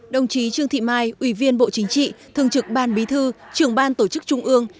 đồng chí trương thị mai ủy viên bộ chính trị thường trực ban bí thư trưởng ban tổ chức trung ương